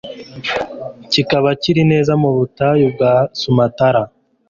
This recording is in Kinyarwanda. kikaba kiri neza mu butayu bwa Sumatra